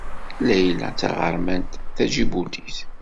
Layla d taɣermant taǧibutit.